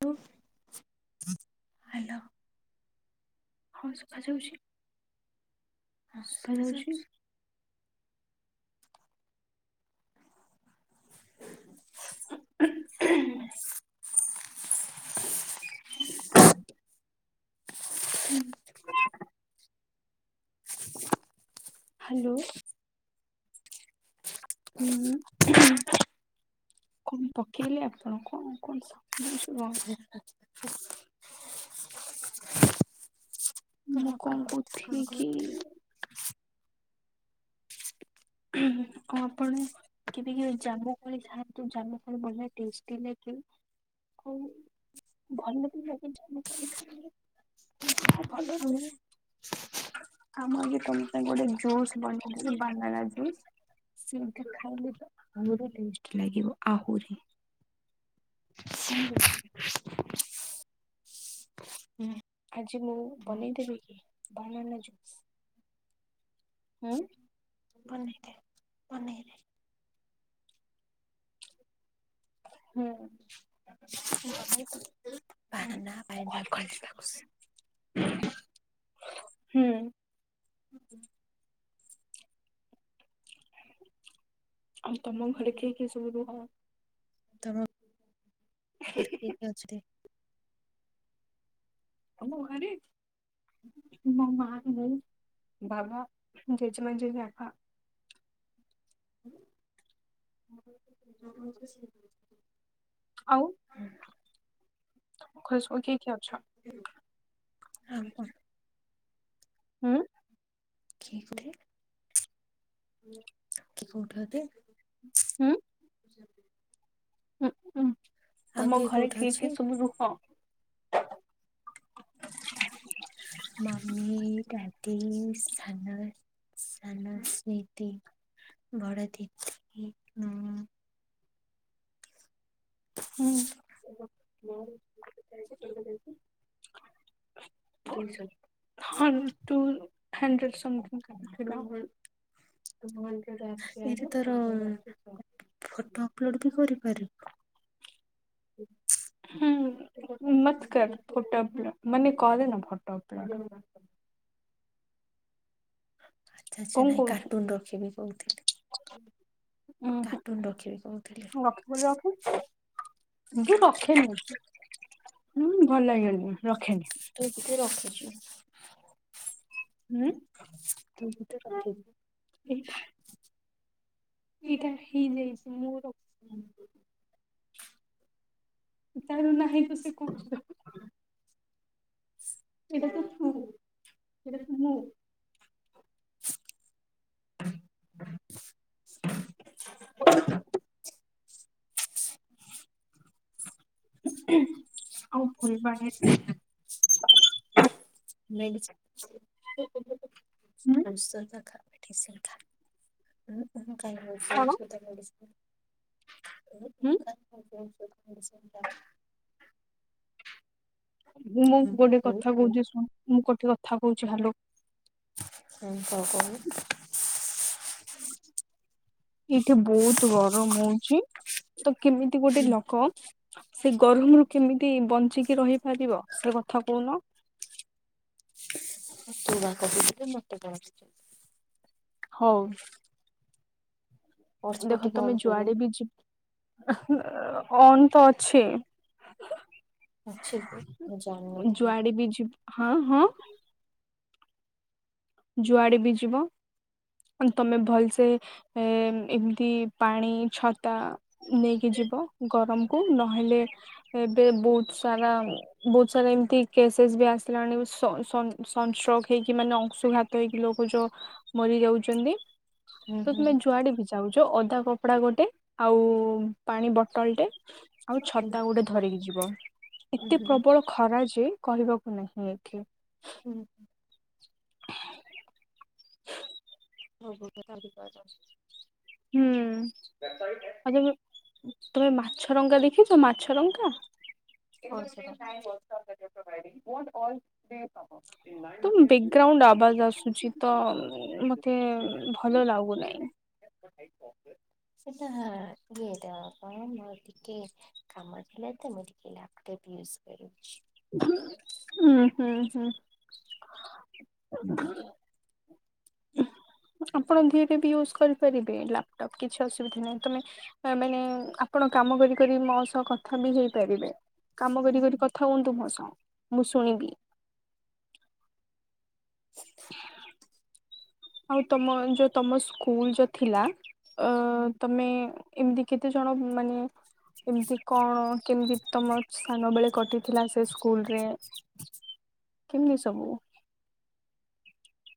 Hello hello ହଁ ଶୁଭାଯାଉଛି। ଆ ଶୁଭାଯାଉଛି ଶୁଭାଯାଉଚି? ଉଁ ଉଁ ଉଁ ସୁଁ ଶୁଁ ହୁଁ ହାଲୋ। ହୁଁ। କଣ ପକେଇଲେ ଆପଣ କଣ କଣ ସୁ [unintelligible] ହୁଁ [inaudible] କଣ କହୁଥି କି? ଆଉ କଣ ଆପଣ କେବେ କେବେ ଜାମୁକୋଳି ଖାଆନ୍ତୁ ଜାମୁ କୋଳି ବଡ଼ିଆ ଟେଷ୍ଟୀ ଲାଗେ ଆଉ ଭଲ ବି ଲାଗେ ଜାମୁ କୋଳି ଖାଇଲେ ଦେହ ଭଲ ରହିବ ଆମ [unintelligible] ତ ଗୋଟେ ଜୁସ୍ ବନେଇଥିଲୁ ବାବାନା ଜୁସ। [unintelligible] ସେମିତି ଖାଇଲେ ତ ଆହୁରି ଟେଷ୍ଟ୍ ଲାଗିବ ଆହୁରି। କଣ କହୁଛନ୍ତି? ଆଜି ମୁଁ ବନେଇ ଦେବି କି ବାନାନା ଜୁସ୍? ହୁଁ। ବନେଇ ଦେ ବନେଇଦେ। ହୁଁ। [inaudible] ବାବନା ପାଇନା କଲ୍ ଆପୁଲ୍ କରିଛି ତାକୁ ଜୁସ୍। ହୁଁ। [unintelligible] ଆଉ ତମ ଘରେ କିଏ କିଏ ସବୁ ରୁହ? ତମ କିଏ କିଏ ଅଛନ୍ତି? ଆମ ଘରେ? ମାମା। ହୁଁ ବାବା ଜେଜେ ମା ଜେ ବାପା। [inaudible] ଆଉ [unintelligible] [unintelligible] କିଏ ଅଛ? ଆଉ କଣ? ହୁଁ। [unintelligible] କି କୋଉଠି ହେବେ ହୁଁ। [inaudible] ଉଁ ଉଁ। ତମ ଘରେ କିଏ କିଏ ସବୁ ରୁହ? ଦାଦି ସାନ ସାନ ଦିଦି ବଡ ଦିଦି ମୁଁ ହୁଁ। ଥୋଇଛନ୍ତି। ହଁ ତୁ [unintelligible] ଏଇଠି ତୋର ଫଟୋ ଅପଲୋଡ ତୁ କରିପାରିବୁ। ହୁଁ ନମସ୍କାର ଫୋଟ ମାନେ କରିନ ଫୋଟ ଅପଲୋଡ଼? [inaudible] କଣ କହୁଛୁ [inaudible] ଉଁ ହୁଁ ରଖ ରଖୁ ରଖେନି ଭଲ ଲାଗେନି ରଖେନି। [inaudible] ହୁଁ। ଏଇଟା [unintelligible] ଏଇଟା ହେଇଯାଇଛି ମୁଁ ରଖ ତାର ନାହିଁ ପା ସେ କହୁଛୁ ଦେଖୁ ସେଟା ତୁ ମୁଁ ସେଟା ତୁ ମୁଁ। [inaudible] [inaudible] ଆଉ ଫୁଲବାଣୀ [inaudible] ମେଡ଼ିସିନ [unintelligible] ହୁଁ ଠିକ୍ ସେଇଟା ଉଁ ହୁଁ। କଣ [unintelligible] ହୁଁ [unintelligible] ସେଇଟା। ମୁଁ ଗୋଟେ କଥା କହୁଛି ଶୁଣୁ। ମୁଁ ଗୋଟେ କଥା କହୁଛି ହାଲୋ। ହୁଁ କଣ କହୁନୁ। [inaudible] ଏଇଠି ବହୁତ ଗରମ ହଉଛିି। ତୋ କେମିତି ଗୋଟେ ଲକ ସେ ଗରମ୍ ରୁ କେମିତି ବଞ୍ଚିକି ରହିପାରିବ ସେ କଥା କହୁନ। [unintelligible] ମୋତେ କ ହଉ। ଦେଖ ତମେ ଯୁଆଡେ ବି ଯି ଅ ଅନ୍ ତ ଅଛି। ଜୁଆଡ ବି ଯିବ୍ ହଁ ହଁ। ଯୁଆଡେ ବି ଯିବ ତମେ ଭଲସେ ଏ ଏମତି ପାଣି ଛତା ନେଇକି ଯିବ। ଗରମକୁ ନହେଲେ ଏବେ ବହୁତ ସାରା ବହୁତ ସାରା ଏମିତି କେସେସ୍ ବି ଆସିଲାଣି। ସଂ ସଂ ସଂଷ୍ଟ୍ରୋକ୍ ହେଇକି ମାନେ ଅଂଶୁଘାତ ତ ଇକ୍ ଲୋକ ଯୋ ମରି ଯାଉଚନ୍ତି। ତ ତୁମେ ଜୁଆଡ଼େ ବି ଯାଉ ଯୋଉ ଅଦା କପଡା ଗୋଟେ ଆଉ ପାଣି ବଟଲଟେ ଜୋ ଆଉ ଛତା ଗୋଟେ ଧରିକି ଜିବ। ଏତେ ପ୍ରବଳ ଖରା ଯେ କହିବାକୁ ନାହିଁ ଏଠି। ହୁଁ ହୁଁ। [unintelligible] ହୁଁ ଆ। ତମେ ମାଛରଙ୍କା ଦେଖିଛ ମାଛରଙ୍କା। [unintelligible] ତ ବ୍ୟାକଗ୍ରାଉଣ୍ଡ ଆବାଜ ଆସୁଛି ତ ମତେ ଭଲ ଲାଗୁନାହିଁ। ସେଟା ଇଏ ଟା କଣ ମୋର ଟିକେ କାମ ଥିଲା ତ ମୁ ଟିକେ। ଲେପଟୋପ ୟୁଜ କରୁଛି। ହୁଁ ହୁଁ ହୁଁ ଆପଣ ଧିରେ ବି ୟୁଜ କରିପାରିବେ ଲାପଟପ୍ କିଛି ଅସୁବିଧା ନାହିଁ ତମେ ମାନେ ଆପଣ କାମ କରିକ ମୋ ସହ କଥା ବି ହେଇପାରିବେ। କାମ କରି କରି କଥା। ମୁଁ ଶୁଣିବି। ଆଉ ତମ ଯୋଉ ତମ ସ୍କୁଲ ଯୋଉ ଥିଲା ଅ ତମେ। ଏମିତି କେତେ ଜଣ ମାନେ ଏମିତି କଣ କେମିତି ତମ ସ୍ାନ ବେଳେ କଟିଥିଲା ସେ ସ୍କୁଲ ରେ କେମିତି ସବୁ।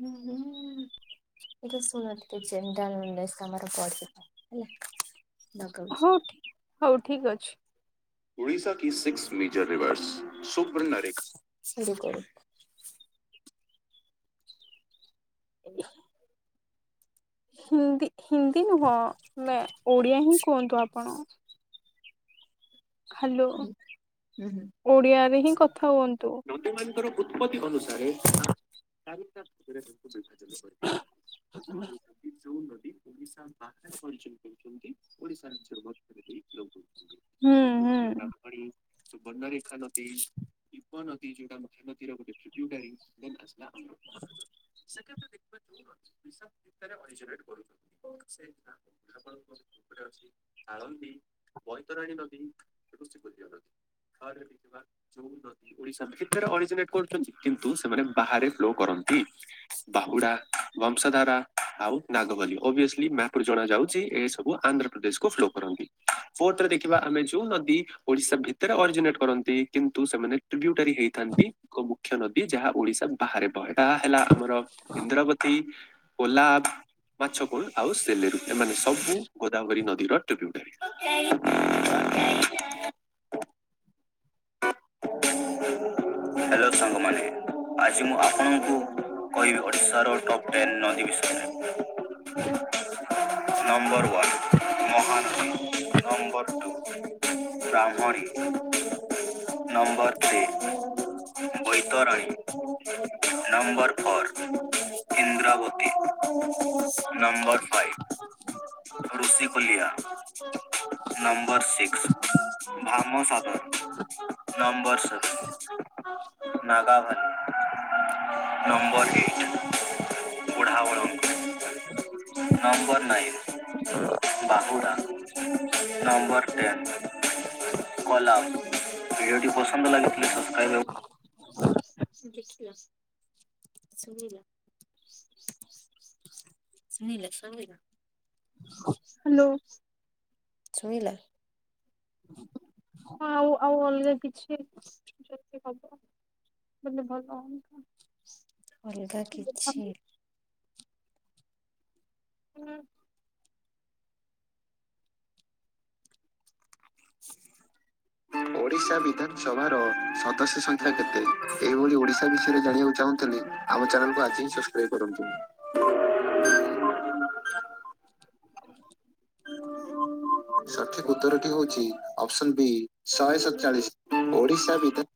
ହଁ ହଁ ଏଇଟା ଶୁଣିକ ଚନ୍ତାାମର ପ ହେଲା। ନ କରଉଛି। ହଉ ଠିକ ହଉ ଠିକ ଅଛି। ଉଡ଼ିଶା କି ସିକ୍ସ ମିଟର ରିୱର୍ସ ସୁପର୍ ନରେିକ। ଏ। ହିନ୍ଦୀ। ହିନ୍ଦୀ ହ ମ। ଓଡିଆ ହିଁ କୁହନ୍ତୁ ଆପଣ। ହ୍ୟାଲୋ ଓଡିଆରେ ହିଁ କଥା ହୁଅନ୍ତୁ। ର ଉତ୍ପତ୍ତି ଅନୁସାରୋର। ହ। ଓଡିଶା ପାଖରେ ପରିଚ କରୁଛନ୍ତି ଓଡିଶା ନିଜର ଲ। ହୁଁ। ହୁଁ ଯେଣି। ବନରେଖା ପ ଯଉଟା ମ ର। [inaudible] ସେିବାରେ ଅଳନ୍ଦୀ ବୈତରାଣୀ ନଦୀ। ଓଶାରେ କରୁଛନ୍ତି କିନ୍ତୁ ସେମାନେ ବାହାରେ ଫ୍ଲୋ କରନ୍ତି ବାହୁଡା ବଂଶଧାରା ଆଉ ନାଗବଲିସଲି ମପ ଜଣ ଯାଉଛି ଏ ସବୁ ଆନ୍ଧ୍ରପ୍ରଦେଶକୁୁ ଫ୍ଲୋ କରନ୍ତି ଫୋର୍ଥରେ ଦେଖିବା ଆମେ ଯୋଉୀ। ଓଡିଶା ଭିତରେ ଅଜିନେଟ କରନ୍ତି କିନ୍ତୁ ସେମାନେ ଟ୍ରିବ୍ୟୁଟାରୀ ହେଇଥାନ୍ତି ଏକ ମୁଖ୍ୟ ନଦୀ ଯାହା ଓଡିଶା ବାହାରେ ବହେ। ତା ହେଲା ଆମର ଇନ୍ଦ୍ରବତୀ। ଓଲା। ମାଛ କୋଣ ଆଉ ସେଲେରୁ ଏମାନେ ସବୁ ଗୋଦାବରୀ ନ। ଧ ଟପ। ହଁ। ହ। ହ୍ୟାଲୋ ସାଙ୍ଗମାନେ ଆଜି ମୁଁ ଆପଣଙ୍କୁ କହିବି ଓଡ଼ିଶାର ଟପ୍ ଟେନ୍ ନଦୀ ବିଷୟରେ। [inaudible] ନମ୍ବର ୱାନ୍ ମହାନଦୀ ନମ୍ବର ହଁ। Brahmani. Number three Baitarani. Number four Indravati number five Rushikulya number six Bhamsagar number seven Nagavali number eight Budhabalanga number nine ବାହୁ। Number ten Kalam. [unintelligible] [unintelligible] ହ୍ୟାଲୋ। ସୁଣିଲା। କଲରେ କିଛି ଯିବ ବଲେ ଭଲ ହେ। ଅଲଗା କିଛି। ହୁଁ। [inaudible] ଓଡ଼ିଶା ବିଧାନସଭାର ସଦସ୍ୟ ସଂଖ୍ୟା କେତେ ଏହିଭଳି ଓଡିଶା ବିଷୟରେ ଜାଣିବାକୁ ଚାହୁଁଥିଲ ଆମ ଚ୍ୟାନେଲକୁ ଆଜିହିଁ ସସ୍କ୍ରାଇବ୍ କରନ୍ତୁ। ସଠିକ ଉତ୍ତରଟି ହଉଛି ଅପସନ ବି ଶହେ ସତଚାଳିଶି ଓଡିଶା ଭିତରେ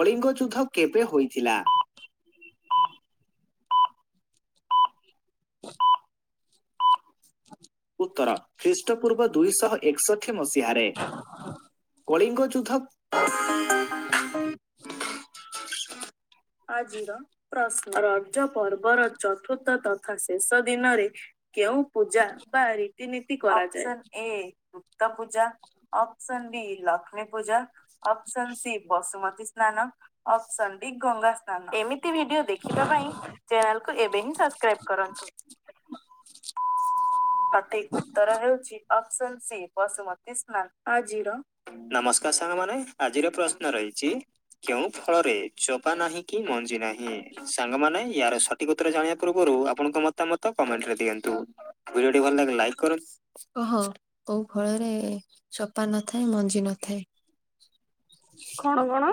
କଳିଙ୍ଗ ଯୁଦ୍ଧ କେବେ ହୋଇଥିଲା? ଉତ୍ତର ଖ୍ରୀଷ୍ଟ ପୂର୍ବ ଦୁଇଶହ ଏକଷଠି ମସିହାରେ କଳିଙ୍ଗ ଯୁଦ୍ଧ ଆଜିର ପ୍ରଶ୍ନ ରଜ ପର୍ବର ଚତୁର୍ଥ ତଥା ଶେଷ ଦିନରେ କେଉଁ ପୂଜା ବା ରୀତିନୀତି କରାଯାଏ ଅପସନ୍ଏ ଭୁକ୍ତ ପୂଜା option B Lakshmi Puja option C Basumati ସ୍ନାନ ଅପସନ ଡି ଗଙ୍ଗା ସ୍ନାନ ଏମିତି ଭିଡିଓ ଦେଖିବା ପାଇଁ ଚାନେଲ କୁ ଏବେ ହିଁ ସବସ୍କ୍ରାଏବ କରନ୍ତୁ ସଠିକ୍ ଉତ୍ତର ହେଉଛି ଅପସନ ସି ବସୁମତୀ ସ୍ନାନ ଆଜିର ନମସ୍କାର ସାଙ୍ଗମାନେ ଆଜିର ପ୍ରଶ୍ନ ରହିଛି କେଉଁ ଫଳରେ ଚୋପା ନାହିଁ କି ମଞ୍ଜି ନାହିଁ। ସାଙ୍ଗମାନେ ୟାର ସଠିକ ଉତ୍ତର ଜଣିବା ପୂର୍ବରୁ ଆପଣଙ୍କ ମତାମତ କମେଣ୍ଟରେ ଦିଅନ୍ତୁ ଭିଡ଼ିଓଟି ଭଲ ଲାଗିଲେ ଲାଇକ କରନ୍ତୁ ହଁ କଉ ଫଳରେ ଚୋପା ନ ଥାଏ କି ମଞ୍ଜି ନ ଥାଏ? କଣ କଣ।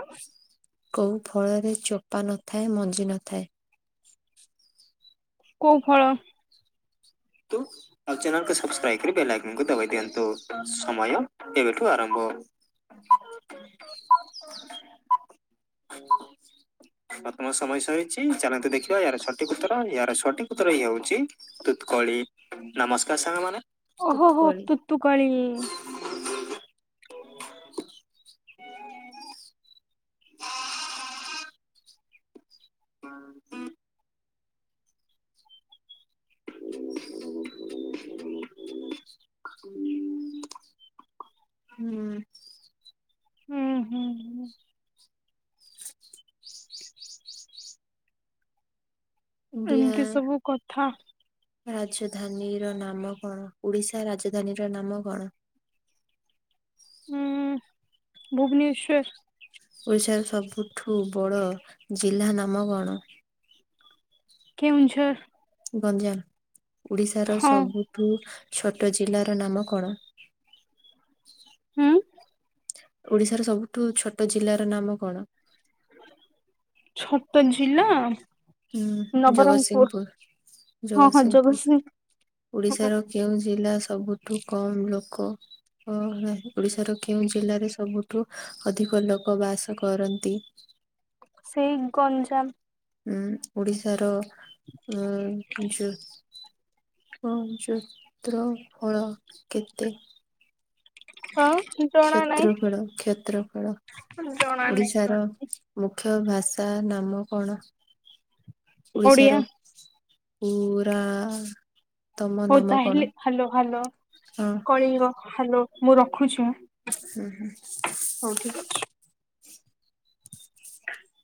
କୋଉଁ ଫଳରେ ଚୋପା ନଥାଏ ମଞ୍ଜି ନଥାଏ? କୋଉ ଫଳ? ନ୍ତୁ ଆଉ ଚାନେଲକୁ ସବସ୍କ୍ରାଇବ କରି ବେଲ ଆଇକନକୁ ଦବେଇ ଦିଅନ୍ତୁ ସମୟ ଏବେଠୁ ଆରମ୍ଭ ବର୍ତ୍ତମାନ ସମୟ ସରିଛି ଚାଲନ୍ତୁ ଦେଖିବା ଏହାର ସଠିକ ଉତ୍ତର। କଳି ନମସ୍କାର ସାଙ୍ଗ ମାନେ। ଓହୋହୋ ତୁ ତୁ କଳିି। [inaudible] [inaudible] [inaudible] ହୁଁ ହୁଁ ହୁଁ ଏମିତି ସବୁ କ ଥା ରାଜଧାନୀର ନାମ କଣ ଓଡିଶା ରାଜଧାନୀର ନାମ କଣ? ଉଁ ଭୁବନେଶ୍ୱର। ଓଡିଶାର ସବୁଠୁ ବଡ ଜିଲ୍ଲା ନାମ କଣ? କେଉଁଝର ଗଞ୍ଜାମ। ଓଡିଶାର ହଁ ସବୁଠୁ ଛୋଟ ଜିଲ୍ଲାର ନାମ କଣ? ହୁଁ? ଓଡିଶାର ସବୁଠୁ ଛୋଟ ଜିଲ୍ଲାର ନାମ କଣ? ଛୋଟ ଜିଲ୍ଲା ହଁ ନବରଙ୍ଗପୁର ଜଗତସିଂହପୁର ହଁ ହଁ ଜଗତସିଂହପୁର ଜଗତସିଂହ ଓଡିଶାର କେଉଁ ଜିଲ୍ଲା ସବୁଠୁ କମ୍ ଲୋକ ଓଡ଼ିଶାର କେଉଁ ଜିଲ୍ଲାରେ ସବୁଠୁ ଅଧିକ ଲୋକ ବାସ କରନ୍ତି? ସେଇ ଗଞ୍ଜାମ। ଉଁ ଓଡିଶାର ଉଁ ଯେ ଅଁ ଚତ୍ର ଫଳ କେତେ କଣ? କ୍ଷେତ୍ରଫଳ କ୍ଷେତ୍ରଫଳ ନାହିଁ ଜଣା ନାହିଁ ଓଡିଶାର ମୁ ଖ୍ୟ ଭାଷା ନାମ କଣ? ଓଡ଼ିଆ ଓଡ଼ିଶାାର ପୁରା ହଉ ତାହେଲେ ହାଲୋ ହାଲୋ କଳିଙ୍ଗ ହାଲୋ ମୁଁ ରଖୁଛି ହୁଁ ହଉ ଠିକ୍ ହୁଁ [inaudible]